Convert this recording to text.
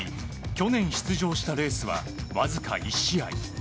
去年、出場したレースはわずか１試合。